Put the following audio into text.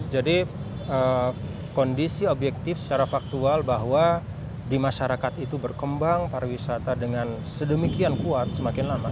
jadi kondisi objektif secara faktual bahwa di masyarakat itu berkembang pariwisata dengan sedemikian kuat semakin lama